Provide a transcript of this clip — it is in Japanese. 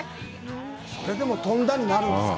それでも飛んだになるんですか？